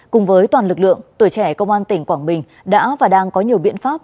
cùng với toàn lực lượng tuổi trẻ công an tỉnh quảng bình đã và đang có nhiều biện pháp